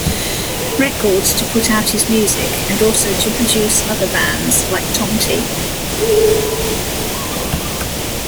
Records to put out his music and also to produce other bands like Tomte.